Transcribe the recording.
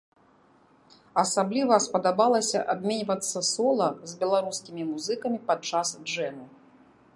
Асабліва спадабалася абменьвацца сола з беларускімі музыкамі падчас джэму.